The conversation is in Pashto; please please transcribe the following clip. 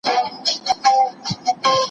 پي پي پي ناروغي د خوب له محرومیت سره تړاو لري.